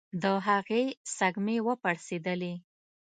د هغې سږمې وپړسېدلې.